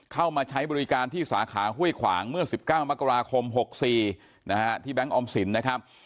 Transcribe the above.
เข้ามาใช้บริการที่สาขาห้วยขวางเมื่อ๑๙มกราคม๖๔ที่แบงค์ออมสินนะครับ